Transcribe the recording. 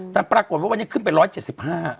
แต่ปรากฏว่าวันนี้ขึ้นไป๑๗๕